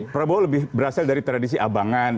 prabowo lebih berasal dari tradisi abangan